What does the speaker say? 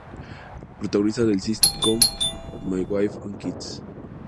Protagonista del sitcom "My Wife and Kids".